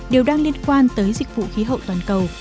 đều đang liên quan tới dịch vụ khí hậu toàn cầu